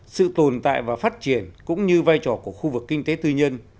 sự tồn tại và phát triển cũng như vai trò của khu vực kinh tế tư nhân